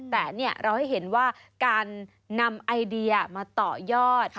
แต่เราให้เห็นว่าการนำไอเดียมาต่อยอด